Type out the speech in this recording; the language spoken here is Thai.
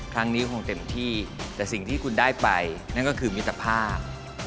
ครั้งนี้คงเต็มที่แต่สิ่งที่คุณได้ไปนั่นก็คือมิตรภาพ